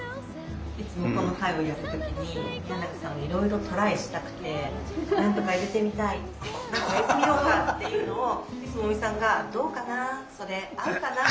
いつもこの会をやる時に宮永さんはいろいろトライしたくて何とか入れてみたい何か入れてみようかっていうのをいつも尾身さんが「どうかな？